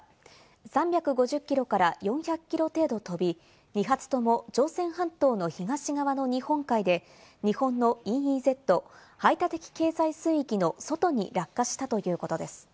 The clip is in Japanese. ３５０キロから４００キロ程度飛び、２発とも朝鮮半島の東側の日本海で日本のＥＥＺ＝排他的経済水域の外に落下したということです。